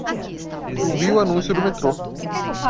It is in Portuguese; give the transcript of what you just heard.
Eu vi o anúncio do metrô